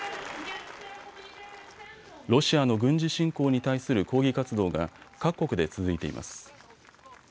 ロシアの軍事侵攻に対する抗議活動が各国で続いています。